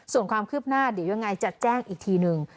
ส่วนความคืบหน้าเดี๋ยวยังไงจะแจ้งอีกทีนึง